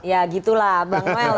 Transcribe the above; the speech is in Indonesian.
ya gitu lah bang noel